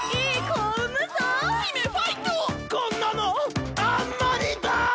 こんなのあんまりだぁ！